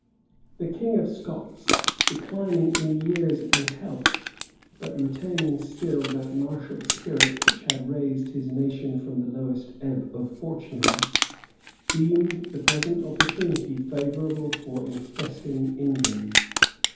The king of Scots, declining in years and health, but retaining still that martial spirit which had raised his nation from the lowest ebb of fortune, deemed the present opportunity favorable for infesting England.